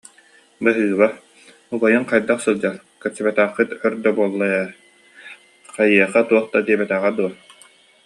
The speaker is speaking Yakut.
Баһыыба, убайыҥ хайдах сылдьар, көрсүбэтэххит өр буолла даа, эйиэхэ туох да диэбэтэҕэ дуо